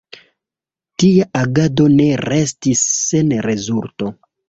Tia agado ne restis sen rezulto.